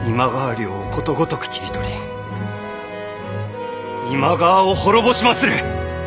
領をことごとく切り取り今川を滅ぼしまする！